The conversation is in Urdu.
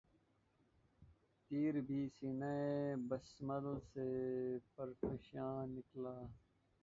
تیر بھی سینۂ بسمل سے پرافشاں نکلا